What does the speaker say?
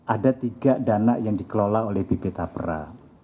ada tiga dana yang dikelola oleh bp tapra